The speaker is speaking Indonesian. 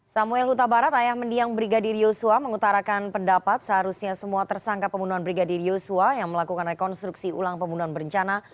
samuel huta barat ayah mendiang brigadir yosua mengutarakan pendapat seharusnya semua tersangka pembunuhan brigadir yosua yang melakukan rekonstruksi ulang pembunuhan berencana